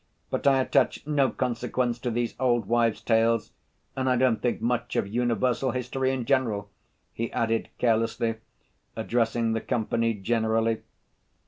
"But I attach no consequence to these old wives' tales and I don't think much of universal history in general," he added carelessly, addressing the company generally.